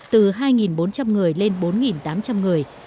từ hai bốn trăm linh người lên bốn tám trăm linh người